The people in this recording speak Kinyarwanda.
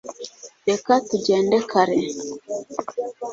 reka tugende kare